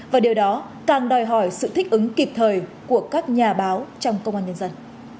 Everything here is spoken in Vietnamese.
và điều đó càng đòi hỏi sự thích ứng kịp thời của các nhà báo trong công an nhân dân